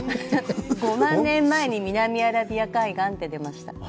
５万年前に南アラビア海岸って出ました。